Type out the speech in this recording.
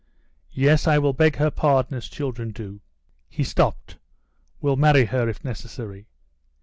"Yes, I will beg her pardon, as children do." ... He stopped "will marry her if necessary."